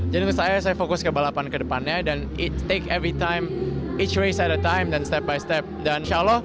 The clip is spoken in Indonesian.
jadi menurut saya saya fokus ke balapan ke depannya